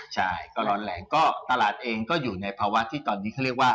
ใช่ก็ร้อนแรงก็ตลาดเองก็อยู่ในภาวะที่ตอนนี้เขาเรียกว่า